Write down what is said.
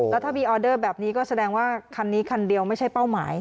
แล้วถ้ามีออเดอร์แบบนี้ก็แสดงว่าคันนี้คันเดียวไม่ใช่เป้าหมาย